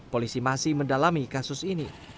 polisi masih mendalami kasus ini